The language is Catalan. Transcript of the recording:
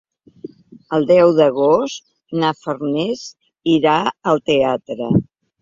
El deu d'agost na Farners irà al teatre.